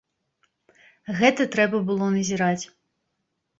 Гэта трэба было назіраць!